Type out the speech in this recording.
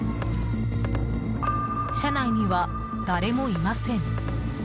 車内には誰もいません。